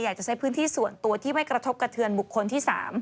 อยากจะใช้พื้นที่ส่วนตัวที่ไม่กระทบกระเทือนบุคคลที่๓